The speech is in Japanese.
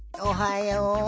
おはよう。